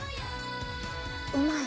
うまい！